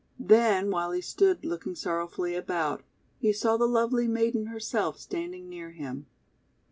Then while he stood looking sorrowfully about, he saw the lovely maiden herself standing near him.